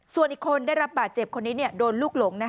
ส่วนอีกคนได้รับบาดเจ็บคนนี้โดนลูกหลง